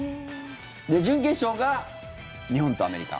準決勝が日本とアメリカ。